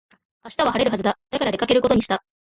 明日は晴れるはずだ。だから出かけることにした。